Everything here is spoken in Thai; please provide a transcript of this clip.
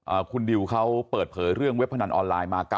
อ่าคุณดิวเขาเปิดเผยเรื่องเว็บบันดันออนไลน์มา๙๘๘๘